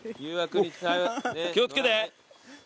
気を付けて！